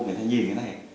người ta nhìn cái này